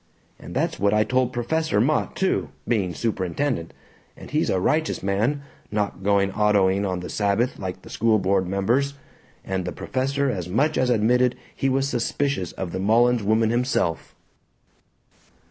And that's what I told Professor Mott, too, being superintendent and he's a righteous man, not going autoing on the Sabbath like the school board members. And the professor as much as admitted he was suspicious of the Mullins woman himself."